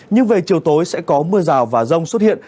nhưng về chiều tối sẽ có mưa rào và rông xuất hiện